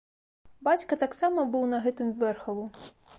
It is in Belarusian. Бацька таксама быў на гэтым вэрхалу.